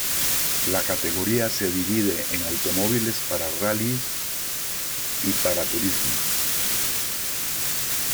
La categoría se divide en automóviles para rallyes y para turismos.